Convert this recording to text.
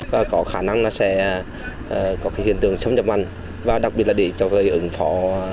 và có khả năng là sẽ có cái hiện tượng xâm nhập mặn và đặc biệt là để cho người ứng phó